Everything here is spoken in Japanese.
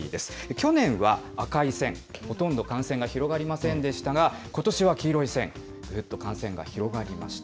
去年は赤い線、ほとんど感染が広がりませんでしたが、ことしは黄色い線、ぐっと感染が広がりました。